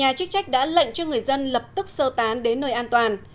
nhà chức trách đã lệnh cho người dân lập tức sơ tán đến nơi an toàn